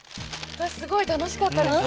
私すごい楽しかったです。